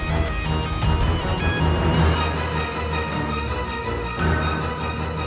apa lah sebuah tempat ini